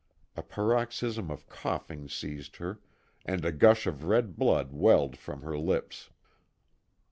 A paroxysm of coughing seized her, and a gush of red blood welled from her lips.